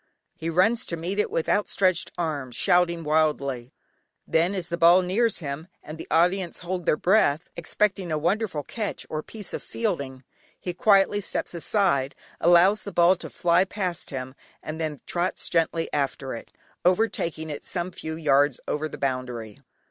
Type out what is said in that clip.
He runs to meet it with outstretched arms, shouting wildly, then, as the ball nears him, and the audience hold their breath, expecting a wonderful catch or piece of fielding, he quietly steps aside, allows the ball to fly past him, and then trots gently after it, overtaking it some few yards over the boundary.